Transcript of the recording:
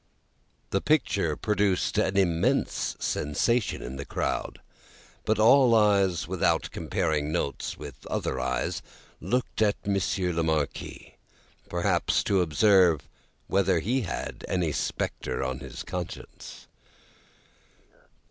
The picture produced an immense sensation in the little crowd; but all eyes, without comparing notes with other eyes, looked at Monsieur the Marquis. Perhaps, to observe whether he had any spectre on his conscience.